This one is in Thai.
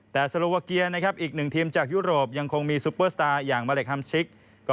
แต่สโลวาเกียนะครับอีกหนึ่งทีมจากยุโรปยังคงมีซูเปอร์สตาร์อย่างมาเล็กฮัมชิค